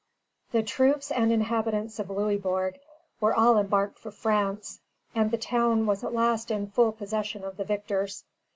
The troops and inhabitants of Louisbourg were all embarked for France, and the town was at last in full possession of the victors.